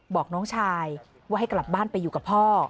บอกน้องชายว่าให้กลับบ้านไปอยู่กับพ่อ